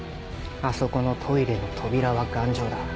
あそこのトイレの扉は頑丈だ。